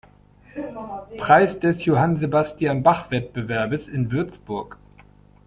Preis des "Johann-Sebastian-Bach-Wettbewerbes" in Würzburg.